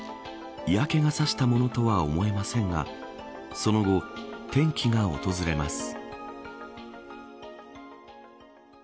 嫌気がさしたものとは思えませんがその後、転機が訪れます。